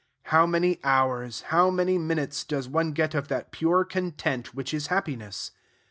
How many hours, how many minutes, does one get of that pure content which is happiness?